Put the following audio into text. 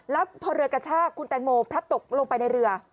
แล้วพอเรือกระชากคุณแตงโมพลัดตกลงไปในเรือ